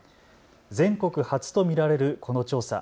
全国初と見られるこの調査。